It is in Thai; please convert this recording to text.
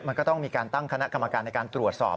มันก็ต้องมีการตั้งคณะกรรมการในการตรวจสอบ